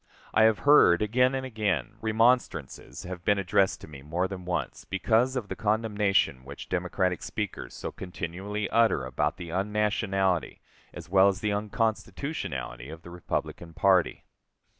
I have heard again and again, remonstrances have been addressed to me more than once, because of the condemnation which Democratic speakers so continually utter about the unnationality as well as the unconstitutionality of the Republican party.